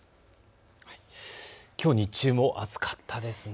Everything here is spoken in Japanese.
きょう日中も暑かったですね。